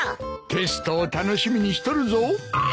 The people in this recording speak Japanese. テストを楽しみにしとるぞ。